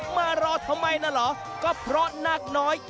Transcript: มารอทำไมนะเหรอก็เพราะนาคน้อย